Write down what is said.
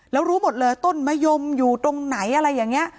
แล้วรู้หมดเลยต้นมะยมอยู่ตรงไหนอะไรอย่างนี้